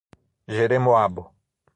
Jeremoabo